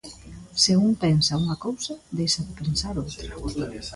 Se un pensa unha cousa, deixa de pensar outra.